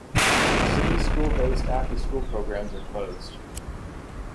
City school-based afterschool programs are closed.